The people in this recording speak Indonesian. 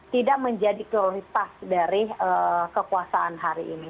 tidak menjadi prioritas dari kekuasaan hari ini